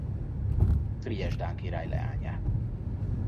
Frigyes dán király leányát.